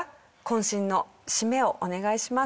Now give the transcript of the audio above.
渾身の締めをお願いします。